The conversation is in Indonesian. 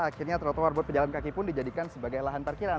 akhirnya trotoar buat pejalan kaki pun dijadikan sebagai lahan parkiran